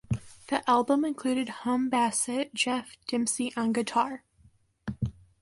The album included Hum bassist Jeff Dimpsey on guitar.